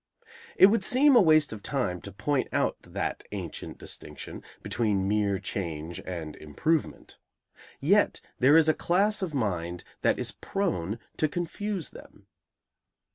It would seem a waste of time to point out that ancient distinction, between mere change and improvement. Yet there is a class of mind that is prone to confuse them.